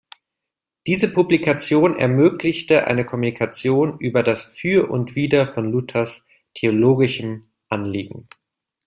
Diese Publikation ermöglichte eine Kommunikation über das Für und Wider von Luthers theologischen Anliegen.